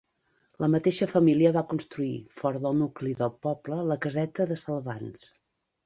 La mateixa família va construir, fora del nucli del poble, la caseta de Salvans.